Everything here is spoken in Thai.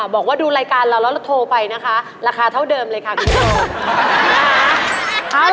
บอกว่าดูรายการเราแล้วโทรไปนะคะราคาเท่าเดิมเลยค่ะคุณผู้ชม